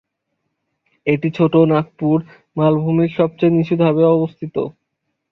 এটি ছোটো নাগপুর মালভূমির সবচেয়ে নিচু ধাপে অবস্থিত।